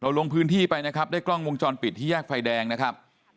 ลงพื้นที่ไปนะครับได้กล้องวงจรปิดที่แยกไฟแดงนะครับ